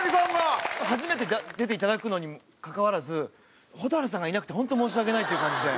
初めて出ていただくのにもかかわらず蛍原さんがいなくて本当申し訳ないという感じで。